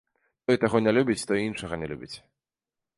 Той таго не любіць, той іншага не любіць.